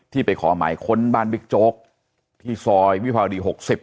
ไปขอหมายค้นบ้านบิ๊กโจ๊กที่ซอยวิภาวดี๖๐